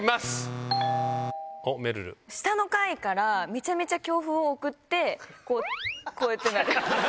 下の階からめちゃめちゃ強風を送って、こう、こうやってなる。